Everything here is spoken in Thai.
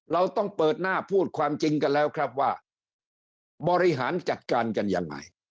เราต้องเปิดหน้าพูดความจริงกันแล้วครับว่าบริหารจัดการกันยังไง